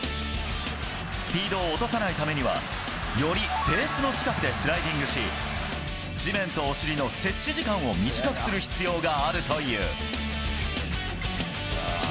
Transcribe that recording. スピードを落とさないためにはよりベースの近くでスライディングし地面とお尻の接地時間を短くする必要があるという。